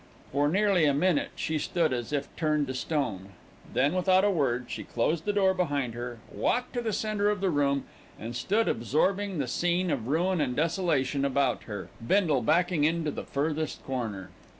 For nearly a minute she stood as if turned to stone. Then without a word she closed the door behind her, walked to the centre of the room, and stood absorbing the scene of ruin and desolation about her, Bindle backing into the furthest corner.